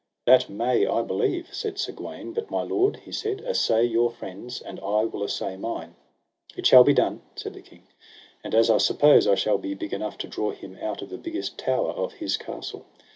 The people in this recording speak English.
That may I believe, said Sir Gawaine; but my lord, he said, assay your friends, and I will assay mine. It shall be done, said the king, and as I suppose I shall be big enough to draw him out of the biggest tower of his castle.